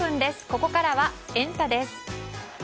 ここからはエンタ！です。